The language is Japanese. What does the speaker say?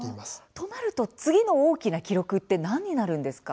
となると次の大きな記録って何になるんですか。